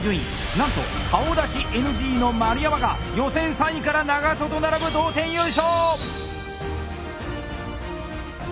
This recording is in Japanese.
なんと顔出しＮＧの丸山が予選３位から長渡と並ぶ同点優勝！